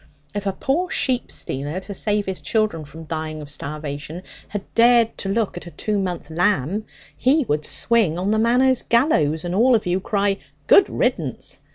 If a poor sheep stealer, to save his children from dying of starvation, had dared to look at a two month lamb, he would swing on the Manor gallows, and all of you cry "Good riddance!"